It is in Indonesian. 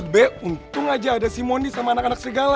be untung aja ada si moni sama anak anak serigala